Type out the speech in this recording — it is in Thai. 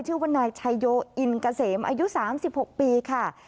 ชื่อว่านายชายโยอินเกษมอายุ๓๖ปีค่ะ